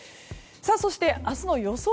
そして、明日の予想